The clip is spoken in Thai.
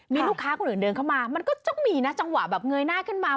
มีลูกค้าคนอื่นเดินเข้ามามันก็ต้องมีนะจังหวะแบบเงยหน้าขึ้นมา